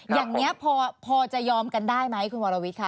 อย่างนี้พอจะยอมกันได้ไหมคุณวรวิทย์ค่ะ